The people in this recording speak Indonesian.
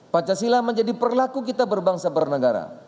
pancasila menjadi perlaku kita berbangsa bernegara